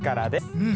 うん。